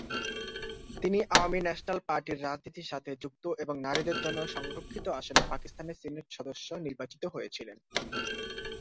তিনি আওয়ামী ন্যাশনাল পার্টির রাজনীতির সাথে যুক্ত এবং নারীদের জন্য সংরক্ষিত আসনে পাকিস্তানের সিনেট সদস্য নির্বাচিত হয়েছিলেন।